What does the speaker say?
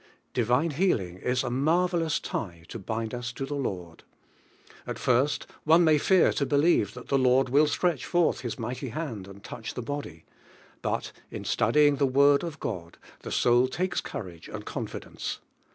Divine healing is a marvelous tie to bind u a to the Lord. At first, one may fear to believe that the Lord will stretch forth His mighty hand and touch the body; but in studying the Word of God the sturl takes courage and confidence.